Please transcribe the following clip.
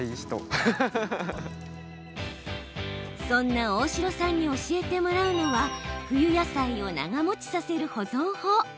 そんな大城さんに教えてもらうのは冬野菜を長もちさせる保存法。